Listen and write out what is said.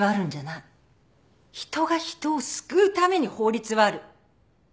人が人を救うために法律はある。